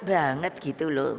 banget gitu loh